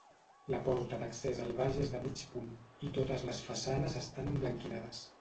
La porta d'accés al baix és de mig punt i totes les façanes estan emblanquinades.